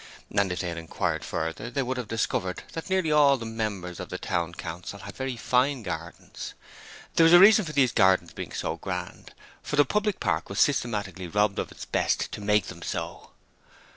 And if they had inquired further they would have discovered that nearly all the members of the Town Council had very fine gardens. There was reason for these gardens being so grand, for the public park was systematically robbed of its best to make them so.